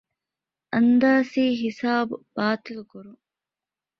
އަންދާސީހިސާބު ބާޠިލުކުރުން